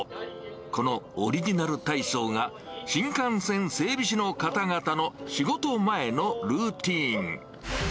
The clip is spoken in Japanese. このオリジナル体操が、新幹線整備士の方々の仕事前のルーティン。